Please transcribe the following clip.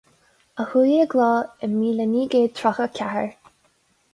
A chuaigh i gcló i míle naoi gcéad tríocha a ceathair.